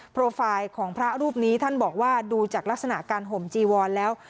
โปรไฟล์ของพระรูปนี้ท่านบอกว่าดูจากลักษณะการห่มจีวรแล้ว